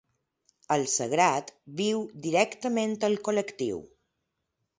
El sagrat viu directament al col·lectiu.